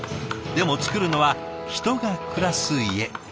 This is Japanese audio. でも造るのは人が暮らす家。